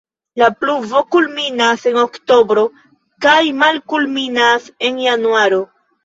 La pluvo kulminas en oktobre kaj malkulminas en januaro.